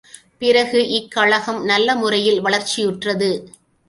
பிறகு இக் கழகம் நல்ல முறையில் வளர்ச்சியுற்றது.